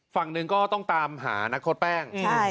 ฝั่งหนึ่งก็ต้องตามหานักโทษแป้ง